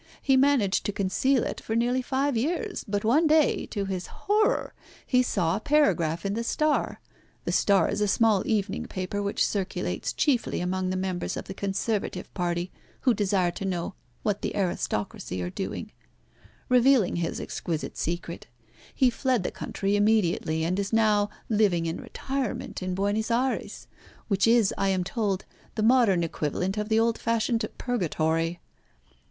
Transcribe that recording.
He managed to conceal it for nearly five years, but one day, to his horror, he saw a paragraph in the Star the Star is a small evening paper which circulates chiefly among members of the Conservative party who desire to know what the aristocracy are doing revealing his exquisite secret. He fled the country immediately, and is now living in retirement in Buenos Ayres, which is, I am told, the modern equivalent of the old fashioned purgatory."